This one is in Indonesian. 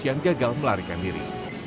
yang gagal melarikan diri